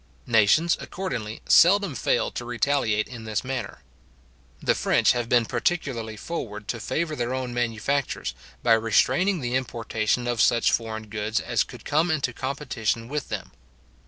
Nations, accordingly, seldom fail to retaliate in this manner. The French have been particularly forward to favour their own manufactures, by restraining the importation of such foreign goods as could come into competition with them.